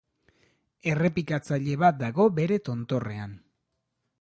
Errepikatzaile bat dago bere tontorrean.